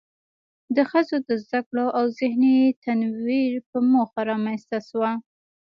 د ښځو د زده کړو او ذهني تنوير په موخه رامنځ ته شوه.